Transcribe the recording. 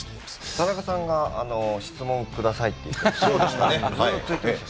田中さんが質問くださいとずっと言っていました。